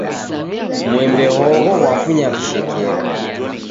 Mwembe hogho ghwafunya vishekero.